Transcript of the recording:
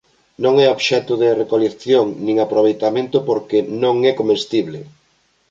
Non é obxecto de recolección nin aproveitamento porque non é comestible.